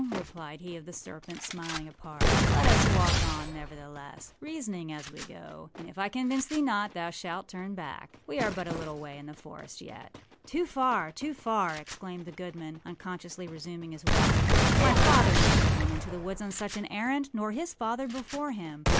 â replied he of the serpent, smiling apart. âLet us walk on, nevertheless, reasoning as we go; and if I convince thee not thou shalt turn back. We are but a little way in the forest yet.â âToo far! too far!â exclaimed the goodman, unconsciously resuming his walk. âMy father never went into the woods on such an errand, nor his father before him.